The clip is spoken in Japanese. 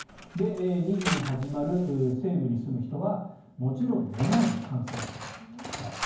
２時に始まる、西部に住む人はもちろん寝ないで観戦するよ。